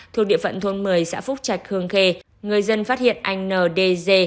thuộc địa phận thôn một mươi xã phúc trạch hương kê người dân phát hiện anh n d d